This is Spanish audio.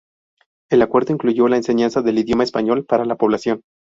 El acuerdo incluyó la enseñanza del idioma español para la población.